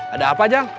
ada apa jang